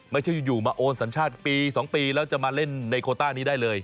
ไม่ใช่อยู่มาโอนสัญชาติปี๒ปีแล้วจะมาเล่นในโคต้านี้ได้เลย